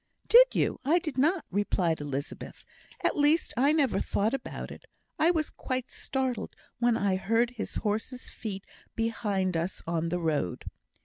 "Did you? I did not," replied Elizabeth. "At least I never thought about it. I was quite startled when I heard his horse's feet behind us on the road."